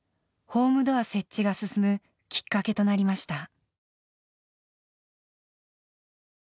ホームドア設置が進むきっかけとなりました。